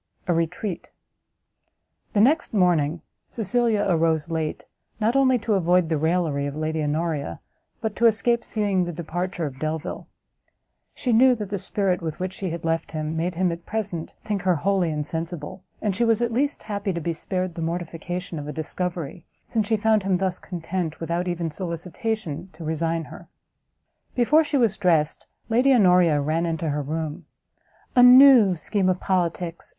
A RETREAT. The next morning Cecilia arose late, not only to avoid the raillery of Lady Honoria, but to escape seeing the departure of Delvile; she knew that the spirit with which she had left him, made him, at present, think her wholly insensible, and she was at least happy to be spared the mortification of a discovery, since she found him thus content, without even solicitation, to resign her. Before she was dressed, Lady Honoria ran into her room, "A new scheme of politics!"